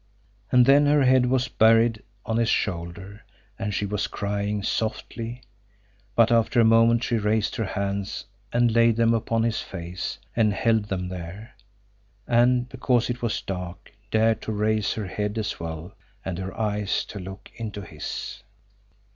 And then her head was buried on his shoulder, and she was crying softly; but after a moment she raised her hands and laid them upon his face, and held them there, and because it was dark, dared to raise her head as well, and her eyes to look into his.